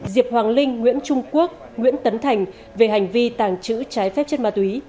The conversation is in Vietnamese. diệp hoàng linh nguyễn trung quốc nguyễn tấn thành về hành vi tàng trữ trái phép chất ma túy